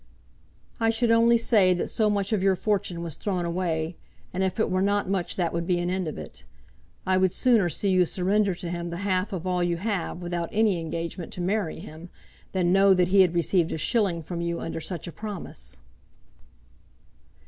"I should only say that so much of your fortune was thrown away, and if it were not much that would be an end of it. I would sooner see you surrender to him the half of all you have, without any engagement to marry him, than know that he had received a shilling from you under such a promise."